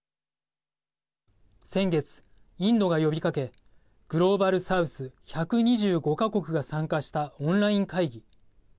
先月、インドが呼びかけグローバル・サウス１２５か国が参加したオンライン会議。